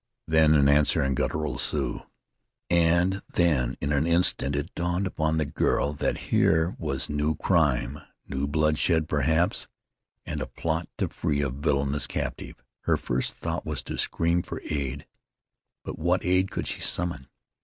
Then an answer in guttural Sioux. And then in an instant it dawned upon the girl that here was new crime, new bloodshed, perhaps, and a plot to free a villianous captive. Her first thought was to scream for aid, but what aid could she summon?